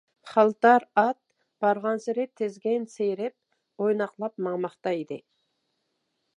خالتار ئات بارغانسېرى تىزگىن سىيرىپ، ئويناقلاپ ماڭماقتا ئىدى.